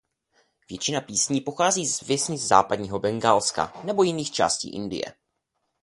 Většina písní pochází z vesnic Západního Bengálska nebo jiných částí Indie.